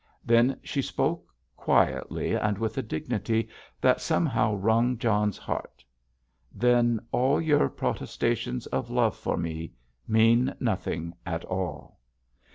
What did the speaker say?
Then she spoke, quietly, and with a dignity that somehow wrung John's heart. "Then all your protestations of love for me mean nothing at all!"